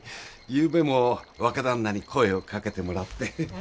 ゆうべも若旦那に声をかけてもらって。